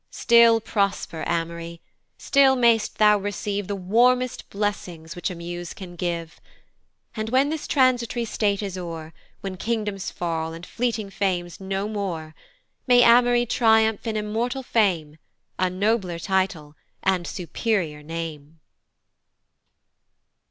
Still prosper, Amory! still may'st thou receive The warmest blessings which a muse can give, And when this transitory state is o'er, When kingdoms fall, and fleeting Fame's no more, May Amory triumph in immortal fame, A nobler title, and superior name!